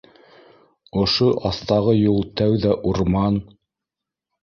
Ошо аҫтағы юл тәүҙә урман